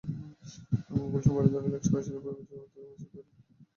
Gulshan-Baridhara lake সরাসরি পয়োবর্জ্য এবং মানুষের তৈরি অন্যান্য বর্জ্যের মাধ্যমে দূষিত হচ্ছে।